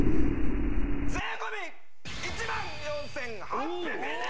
税込１４８００円です